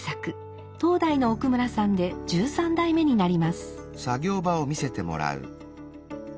当代の奥村さんで十三代目になります。